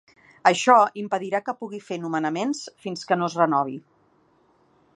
Això impedirà que pugui fer nomenaments fins que no es renovi.